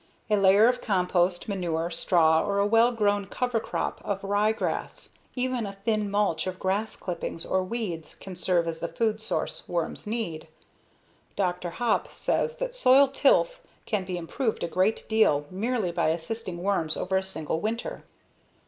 A layer of compost, manure, straw, or a well grown cover crop of ryegrass, even a thin mulch of grass clippings or weeds can serve as the food source worms need. Dr. Hopp says that soil tilth can be improved a great deal merely by assisting worms over a single winter.